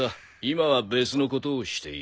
今は別のことをしている。